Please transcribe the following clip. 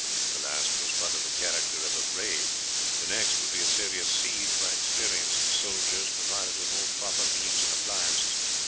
The last was but of the character of a raid, the next would be a serious siege by experienced soldiers provided with all proper means and appliances.